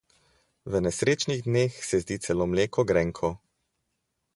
V nesrečnih dneh se zdi celo mleko grenko.